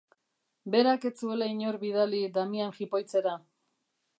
Berak ez zuela inor bidali Damian jipoitzera.